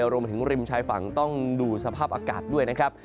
รวมไปถึงริมชายฝั่งต้องดูสภาพอากาศด้วยนะครับ